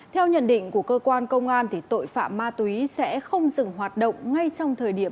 theo nhận định của cơ quan công an tội phạm ma túy sẽ không dừng hoạt động ngay trong thời điểm